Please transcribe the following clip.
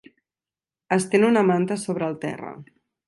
Estén una manta sobre el terra.